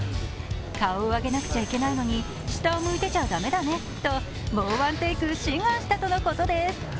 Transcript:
顔を上げなくちゃいけないのに、下を向いてちゃ駄目だねともうワンテイク志願したとのことです。